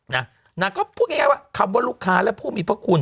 นางก็พูดง่ายว่าคำว่าลูกค้าและผู้มีพระคุณ